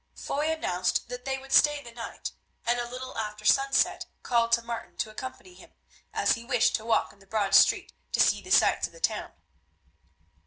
Foy announced that they would stay the night, and a little after sunset called to Martin to accompany him, as he wished to walk in the Broad Street to see the sights of the town.